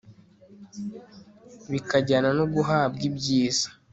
bikajyana no guhabwa ibyiza